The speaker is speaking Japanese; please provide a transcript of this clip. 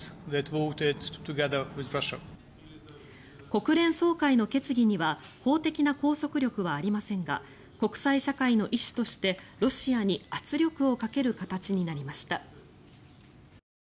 国連総会の決議には法的な拘束力はありませんが国際社会の意思として、ロシアに圧力をかける形になりました。